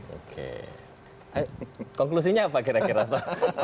oke konklusinya apa kira kira pak